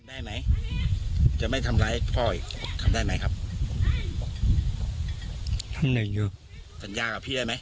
อ่าจริง